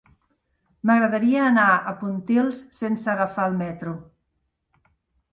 M'agradaria anar a Pontils sense agafar el metro.